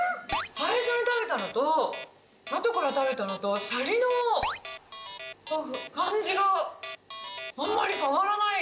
最初に食べたのと、あとから食べたのと、シャリの感じがあんまり変わらない。